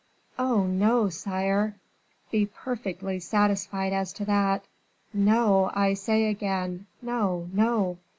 "Oh, no! sire, be perfectly satisfied as to that. No, I say again; no, no!"